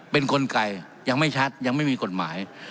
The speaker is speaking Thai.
เป็นกลไกยังไม่ชัดยังไม่มีกฎหมาย